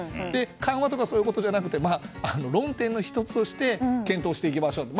緩和とかそういうことではなくて論点の１つとして検討していきましょうと。